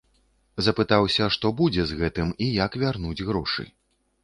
Запытаўся, што будзе з гэтым і як вярнуць грошы.